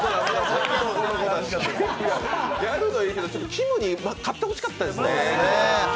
やるのはいいけどきむに勝ってほしかったですね。